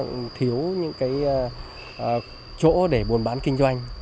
bà con cũng buồn bán thiếu những cái chỗ để buồn bán kinh doanh